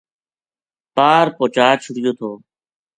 پار پوہچا چھُڑیو تھو